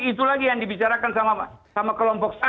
itu lagi yang dibicarakan sama kelompok sana